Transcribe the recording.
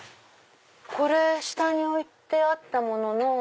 これ下に置いてあったものの。